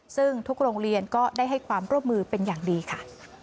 ซึ่งทุกโรงเรียนก็ได้ให้ความร่วมมือเป็นอย่างดีค่ะ